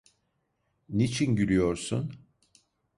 Niçin gülüyorsun?